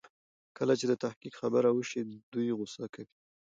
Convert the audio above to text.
کله چې د تحقيق خبره وشي دوی غوسه کوي.